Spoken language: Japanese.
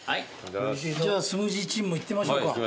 じゃあスムージーチームもいってみましょうか。